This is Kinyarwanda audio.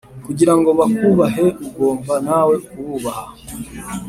kugira ngo bakubahe ugomba nawe kububaha